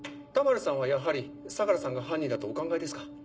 たまるさんはやはり相良さんが犯人だとお考えですか。